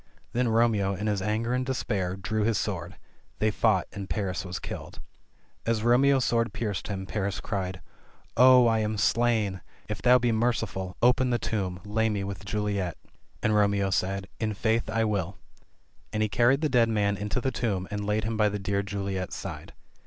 Then Romeo, in his anger and despair, drew his sword. — ^They fought, and Paris was killed. As Romeo's sword pierced him, Paris cried, "Oh, I am slain ! If thou be merciful, open the tomb, lay me with Juliet!" 12 THE CHILDREN'S SHAKESPEARE. And Romeo said, "In faith I will." And he carried the dead man into the tomb and laid him by the dear Juliet's side.